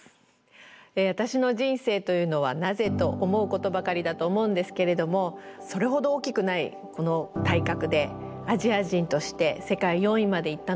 私の人生というのはなぜと思うことばかりだと思うんですけれどもそれほど大きくないこの体格でアジア人として世界４位まで行ったのはなぜなんだろうか？